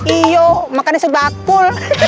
iya makan di sepakpul